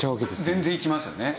全然いきますよね。